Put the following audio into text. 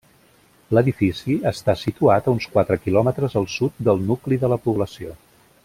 L'edifici està situat a uns quatre quilòmetres al sud del nucli de la població.